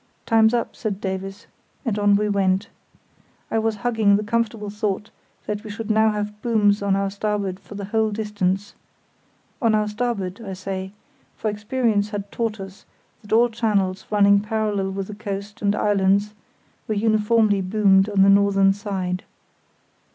"Time's up," said Davies, and on we went. I was hugging the comfortable thought that we should now have booms on our starboard for the whole distance; on our starboard, I say, for experience had taught us that all channels running parallel with the coast and islands were uniformly boomed on the northern side.